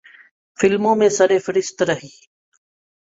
فلموں میں سرِ فہرست رہی۔